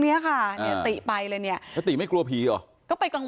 เนี้ยค่ะเนี่ยติไปเลยเนี่ยแล้วติไม่กลัวผีเหรอก็ไปกลาง